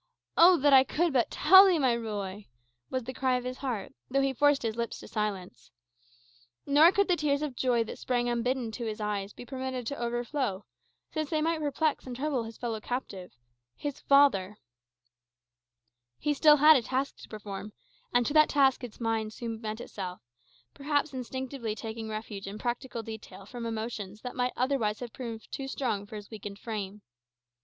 Oh, that I could but tell thee, my Ruy!" was the cry of his heart, though he forced his lips to silence. Nor could the tears of joy, that sprang unbidden to his eyes, be permitted to overflow, since they might perplex and trouble his fellow captive his father. He had still a task to perform; and to that task his mind soon bent itself; perhaps instinctively taking refuge in practical detail from emotions that might otherwise have proved too strong for his weakened frame.